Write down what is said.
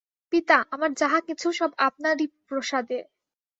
পিতা, আমার যাহা কিছু সব আপনারই প্রসাদে।